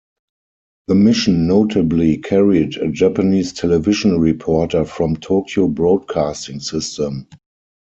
The mission notably carried a Japanese television reporter from Tokyo Broadcasting System.